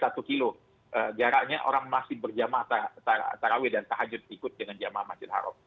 jadi jaraknya orang masih berjamaah terawih dan terhajur ikut dengan jamaah masjid haram